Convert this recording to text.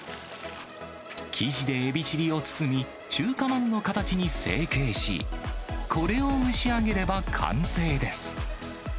生地でエビチリを包み、中華まんの形に成形し、これを蒸しあげれば完成です。